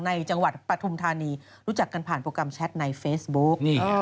จังหวัดปฐุมธานีรู้จักกันผ่านโปรแกรมแชทในเฟซบุ๊ก